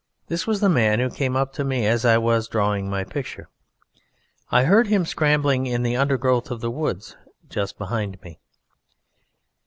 This was the man who came up to me as I was drawing my picture. I had heard him scrambling in the undergrowth of the woods just behind me.